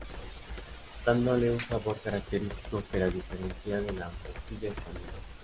Dándole un sabor característico que la diferencia de la morcilla española.